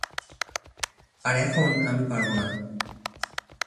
আর এখন - আমি পারবো না।